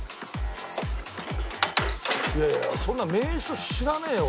いやいやそんな名称知らねえよ